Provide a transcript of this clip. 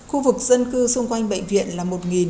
khu vực dân cư xung quanh bệnh viện là một ba trăm năm mươi tám